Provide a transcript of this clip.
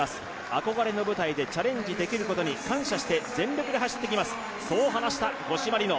憧れの舞台でチャレンジできることに感謝して全力で走ってきます、そう話した五島莉乃。